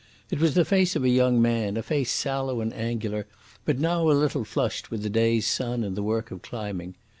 It was the face of a young man, a face sallow and angular, but now a little flushed with the day's sun and the work of climbing.